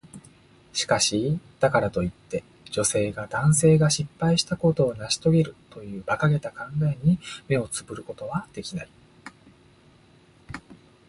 しかし、だからといって、女性が男性が失敗したことを成し遂げるという馬鹿げた考えに目をつぶることはできない。